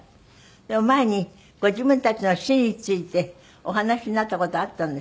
でも前にご自分たちの死についてお話しになった事あったんですって？